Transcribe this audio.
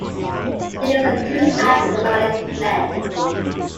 It is a two-act dramatic play.